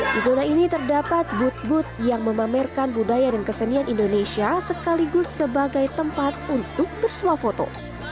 di zona ini terdapat booth booth yang memamerkan budaya dan kesenian indonesia sekaligus sebagai tempat untuk bersuah foto